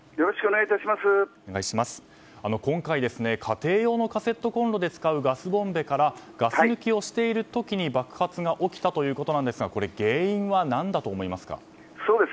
今回、家庭用のカセットコンロで使うガスボンベからガス抜きをしている時に爆発が起きたということですがこれ、原因は何だと思いますか。